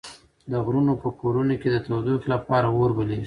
د غرونو په کورونو کې د تودوخې لپاره اور بليږي.